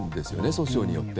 訴訟によって。